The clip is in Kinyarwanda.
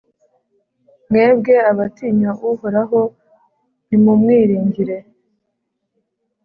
Mwebwe abatinya Uhoraho, nimumwiringire,